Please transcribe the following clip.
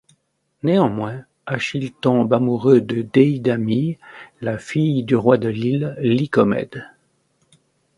Néanmoins, Achille tombe amoureux de Déidamie, la fille du roi de l'île, Lycomède.